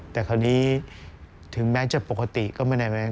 แต่คราวนี้ถึงแม้จะปกติก็ไม่ได้แม้